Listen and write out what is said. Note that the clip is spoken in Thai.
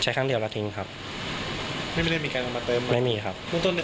ใช้ครั้งเดียวแล้วทิ้งครับไม่มีได้มีการมาเติมไม่มีครับ